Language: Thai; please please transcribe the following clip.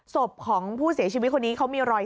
ศพของผู้เสียชีวิตคนนี้เขามีรอย